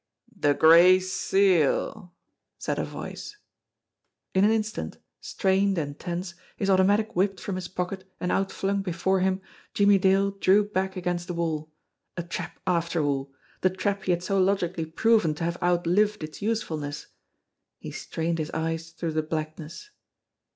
"The Gray Seal !" said a voice. In an instant, strained and tense, his automatic whipped from his pocket and outflung before him, Jimmie Dale drew back against the wall. A trap after all! The trap he had so logically proven to have outlived its usefulness! He strained his ey*s through the blackness.